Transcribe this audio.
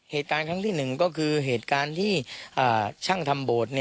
เหตุการณ์ครั้งที่๑ก็คือเหตุการณ์ที่ช่างทำโบสถ์